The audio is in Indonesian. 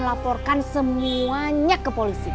laporkan semuanya ke polisi